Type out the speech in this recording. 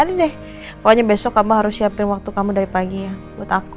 nih deh pokoknya besok kamu harus siapin waktu kamu dari pagi ya buat aku